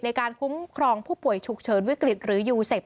ในการคุ้มครองผู้ป่วยฉุกเฉินวิกฤตหรือยูเซฟ